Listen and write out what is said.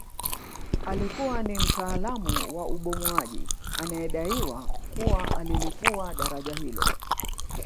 Alikuwa ni mtaalamu wa ubomoaji anayedaiwa kuwa alilipua daraja hilo